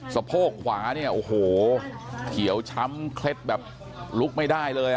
สะโพกขวาเนี่ยโอ้โหเขียวช้ำเคล็ดแบบลุกไม่ได้เลย